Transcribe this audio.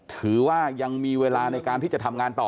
ถือว่ายังมีเวลาในการที่จะทำงานต่อ